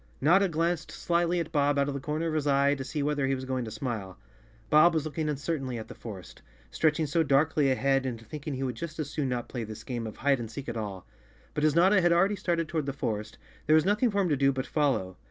Notta glanced slyly at Bob out of the comer of his eye to see whether he were going to smile. Bob was looking uncertainly at the forest, stretching so darkly ahead, and thinking he would just as soon not play this 60 Chapter Five game of hide and seek at all. But as Notta had already started toward the forest, there was nothing for him to do but follow.